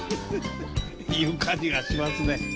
いう感じがしますね。